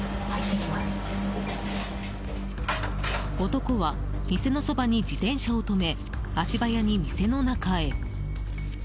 男は、店のそばに自転車を止め足早に店の中へ。